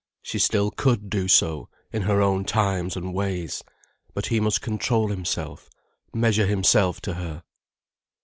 She still could do so, in her own times and ways. But he must control himself, measure himself to her.